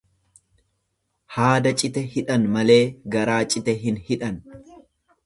Haada cite hidhan malee garaa cite hin hidhan.